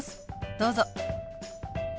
どうぞ。